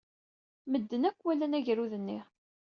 Medden akk walan agerrud-nni.